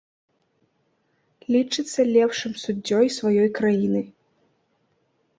Лічыцца лепшым суддзёй сваёй краіны.